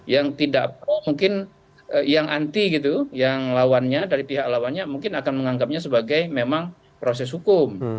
yang tidak pro mungkin yang anti gitu yang lawannya dari pihak lawannya mungkin akan menganggapnya sebagai memang proses hukum